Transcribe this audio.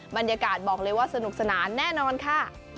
บรรยากาศบอกเลยว่าสนุกสนานแน่นอนค่ะ